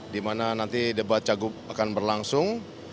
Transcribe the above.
di mana nanti debat cagup akan berlangsung